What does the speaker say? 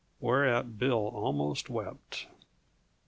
Whereat Bill almost wept.